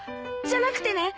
じゃなくてね。